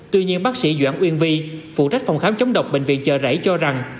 tuy nhiên bác sĩ doãn uyên vi phụ trách phòng khám chống độc bệnh viện chờ rảy cho rằng